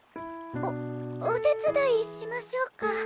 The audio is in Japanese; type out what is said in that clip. おお手伝いしましょうか？